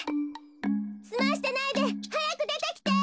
すましてないではやくでてきて！